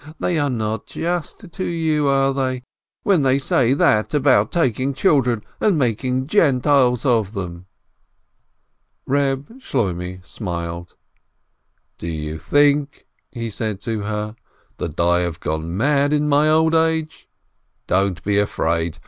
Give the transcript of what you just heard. They are not just to you, are they, when they say that about taking children and making Gentiles of them?" Eeb Shloimeh smiled. "Do you think," he said to her, "that I have gone mad in my old age ? Don't be afraid.